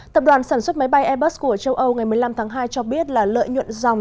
tập đoàn sản xuất máy bay airbus của châu âu ngày một mươi năm tháng hai cho biết là lợi nhuận dòng